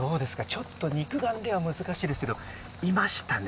ちょっと肉眼では難しいですが、いましたね。